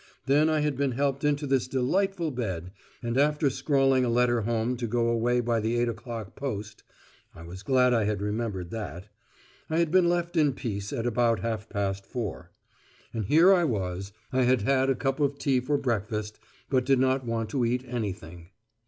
Then I had been helped into this delightful bed, and after scrawling a letter home to go away by the eight o'clock post (I was glad I had remembered that), I had been left in peace at about half past four. And here I was! I had had a cup of tea for breakfast, but did not want to eat anything.